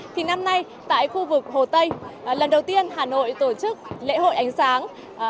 thì năm nay tại khu vực hồ tây lần đầu tiên hà nội tổ chức lễ hội ánh sáng